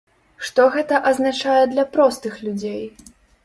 Што гэта азначае для простых людзей?